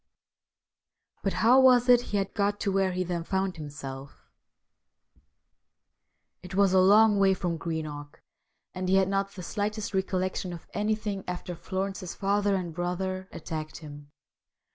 But how was it he had got to where he THE WHITE WITCH OF THE RIVER 19 then found himself ? It was a long way from Greenock, and he had not the slightest recollection of anything after Florence's father and brother attacked him.